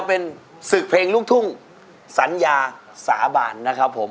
เพลงลูกทุ่งสัญญาสาบานนะครับผม